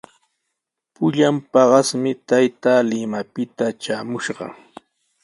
Pullan paqasmi taytaa Limapita traamushqa.